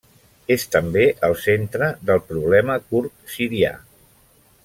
És també el centre del problema kurd sirià.